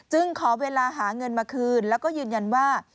ขอเวลาหาเงินมาคืนแล้วก็ยืนยันว่า